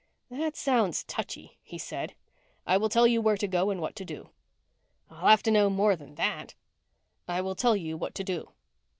"That sounds touchy," he said. "I will tell you where to go and what to do." "I'll have to know more than that." "I will tell you what to do."